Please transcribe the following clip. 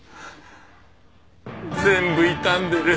全部傷んでる。